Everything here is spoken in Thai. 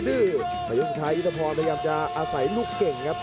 ในยุทธิถังสุดท้ายธิดมพรยากจะอาศัยลูกเก่งครับ